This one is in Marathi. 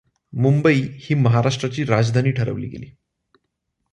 मुंबई ही महाराष्ट्राची राजधानी ठरवली गेली.